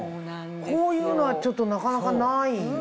こういうのはちょっとなかなかない。